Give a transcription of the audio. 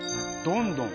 どんどん。